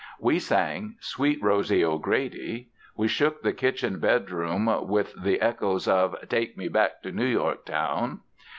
We sang "Sweet Rosie O'Grady." We shook the kitchen bedroom with the echoes of "Take Me Back to New York Town."